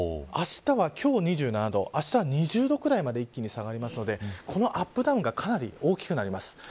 今日２７度あしたは２０度ぐらいまで一気に下がるのでこのアップダウンがかなり大きくなります。